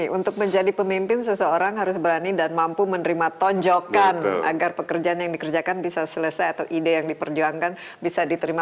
untuk menjadi pemimpin seseorang harus berani dan mampu menerima tonjokan agar pekerjaan yang dikerjakan bisa selesai atau ide yang diperjuangkan bisa diterima